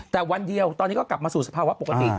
แต่วันเดียวตอนนี้ก็กลับมาสู่สภาวะปกติ